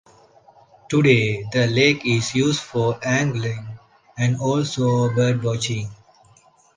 Today, the lake is used for angling, and also birdwatching.